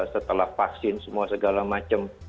setelah vaksin semua segala macam